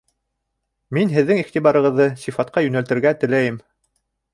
Мин һеҙҙең иғтибарҙы сифатҡа йүнәлтергә теләйем